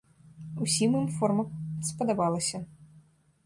Усім ім форма спадабалася.